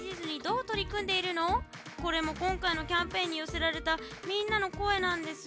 これも今回のキャンペーンに寄せられたみんなの声なんです。